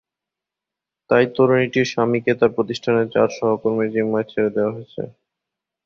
তাই তরুণীটির স্বামীকে তাঁর প্রতিষ্ঠানের চার সহকর্মীর জিম্মায় ছেড়ে দেওয়া হয়েছে।